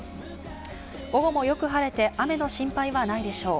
午後もよく晴れて雨の心配はないでしょう。